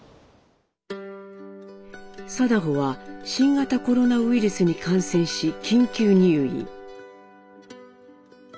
禎穗は新型コロナウイルスに感染し緊急入院。